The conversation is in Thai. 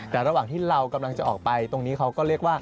แต่ระหว่างที่เรากำลังจะออกไปตรงนี้เขาก็เรียกว่า